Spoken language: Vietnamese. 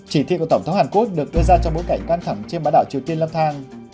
chỉ thị của tổng thống hàn quốc được đưa ra trong bối cảnh căng thẳng trên bãi đảo triều tiên leo thang